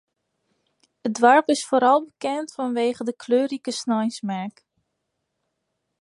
It doarp is foaral bekend fanwege de kleurrike sneinsmerk.